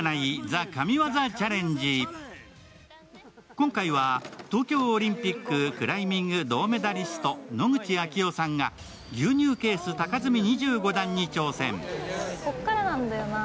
今回は東京オリンピッククライミング銅メダリスト、野口啓代さんが、牛乳ケース高積み２５段に挑戦。